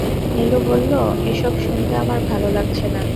নীলু বলল, এসব শুনতে আমার ভালো লাগছে না।